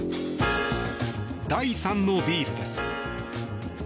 第３のビールです。